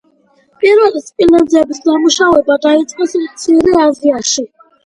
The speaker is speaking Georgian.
პირველად, სპილენძის დამუშვება დაიწყეს მცირე აზიაში.